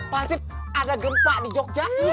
pak cip ada gempa di jogja